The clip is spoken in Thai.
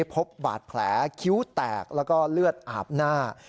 พบบาดแผลคิ้วแตกแล้วก็เลือดอาบหน้า